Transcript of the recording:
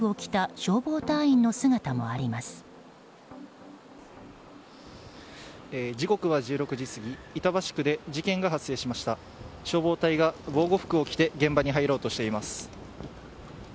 消防隊が防護服を着て現場に入ろうとしています。